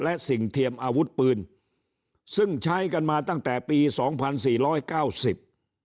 และสิ่งเทียมอาวุธปืนซึ่งใช้กันมาตั้งแต่ปีสองพันสี่ร้อยเก้าสิบ